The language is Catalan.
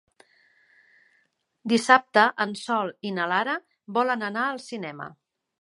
Dissabte en Sol i na Lara volen anar al cinema.